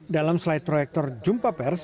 dalam slide proyektor jumpa pers